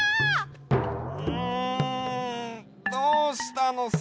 うんどうしたのさ？